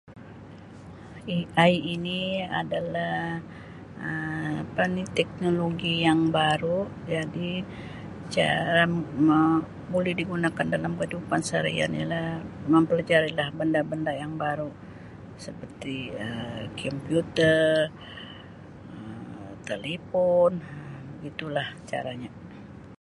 AI ini adalah Um apani teknologi yang baru jadi cara m-mau- boleh digunakan dalam kehidupan seharian ialah mempelajarilah benda-benda yang baru seperti Um kemputer, talipon Um begitulah caranya.